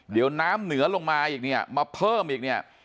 เดี๋ยวน้ำเหนือลงมาอีกเนี่ยมาเพิ่มอีกเนี่ย